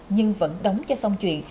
nhưng vẫn đóng cho xong chuyện